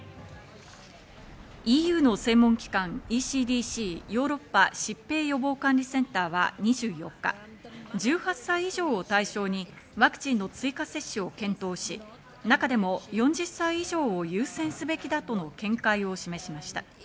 ＥＵの専門機関ＥＣＤＣ＝ヨーロッパ疾病予防管理センターは２４日、１８歳以上を対象にワクチンの追加接種を検討し、中でも４０歳以上を優先すべきだとの見解を示しました。